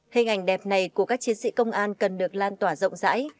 hình ảnh đẹp này của các chiến sĩ công an cần được lan tỏa rộng rãi